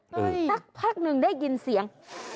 สักพักหนึ่งได้ยินเสียง